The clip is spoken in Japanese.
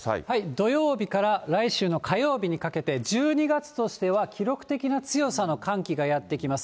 土曜日から来週の火曜日にかけて、１２月としては記録的な強さの寒気がやって来ます。